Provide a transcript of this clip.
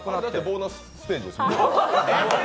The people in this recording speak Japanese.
ボーナスステージです。